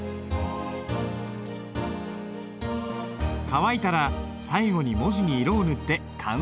乾いたら最後に文字に色を塗って完成だ。